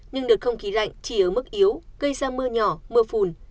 nhưng đợt không khí lạnh chỉ ở mức yếu gây ra mưa nhỏ mưa phùn